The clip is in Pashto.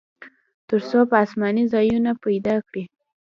تر څو په آسانۍ ځایونه پیدا کړي.